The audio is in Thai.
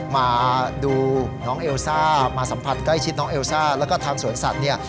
มาดูน้องเอลซ่ามาสัมผัสใกล้ชิดน้องเอลซ่าแล้วก็ทางสวนสัตว์เนี่ย